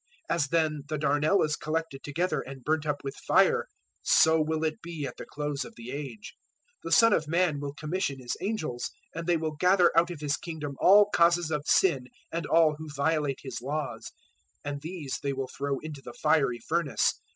013:040 As then the darnel is collected together and burnt up with fire, so will it be at the Close of the Age. 013:041 The Son of Man will commission His angels, and they will gather out of His Kingdom all causes of sin and all who violate His laws; 013:042 and these they will throw into the fiery furnace.